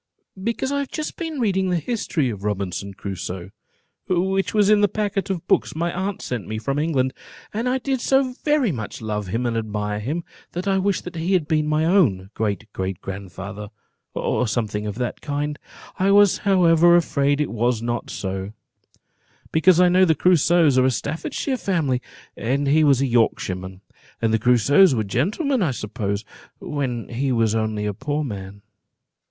"Because I have just been reading the history of Robinson Crusoe, which was in the packet of books my aunt sent me from England; and I did so very much love him and admire him, that I wished he had been my own great great grand father, or something of that kind. I was, however, afraid it was not so, because I know the Crusoes are a Staffordshire family, and he was a Yorkshireman; and the Crusoes were gentlemen, I suppose, when he was only a poor man."